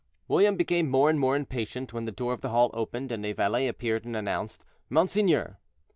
William became more and more impatient, when the door of the hall opened, and a valet appeared and announced "Monseigneur."